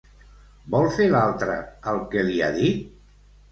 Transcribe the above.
Vol fer l'altre el que li ha dit?